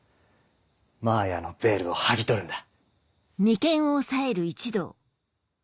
マーヤーのヴェールを剥ぎ取るんだ。